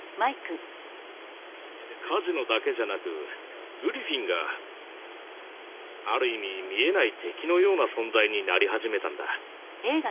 カジノだけじゃなくグリフィンがある意味見えない敵のような存在になり始めたんだ。